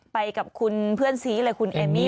ไปกับคุณเพื่อนซีเลยคุณเอมมี่